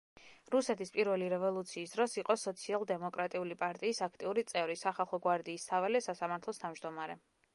რუსეთის პირველი რევოლუციის დროს იყო სოციალ-დემოკრატიული პარტიის აქტიური წევრი, სახალხო გვარდიის საველე სასამართლოს თავმჯდომარე.